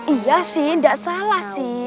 iya sih tidak salah sih